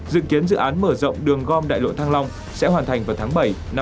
dự kiến dự án mở rộng đường gom đại lộ thăng long sẽ hoàn thành vào tháng bảy năm hai nghìn hai mươi